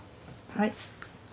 はい。